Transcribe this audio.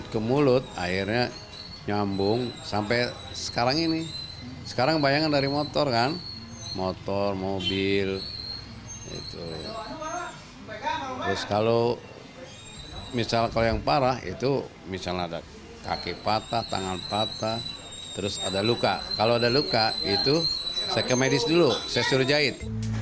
kalau ada luka saya ke medis dulu saya suruh jahit